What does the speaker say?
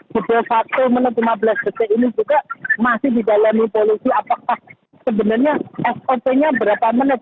di satu menit lima belas detik ini juga masih di dalam evolusi apakah sebenarnya sop nya berapa menit